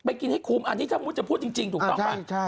ไปกินให้คุ้มอันนี้ถ้าผมจะพูดจริงถูกต้องปะใช่เคฮะ